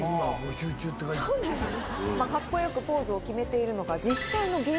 カッコよくポーズを決めているのが。